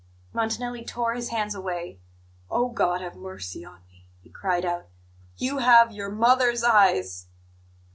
Montanelli tore his hands away. "Oh, God have mercy on me!" he cried out. "YOU HAVE YOUR MOTHER'S EYES!"